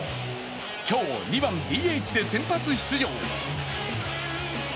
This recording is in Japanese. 今日、２番・ＤＨで先発出場。